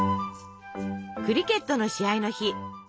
クリケットの試合の日。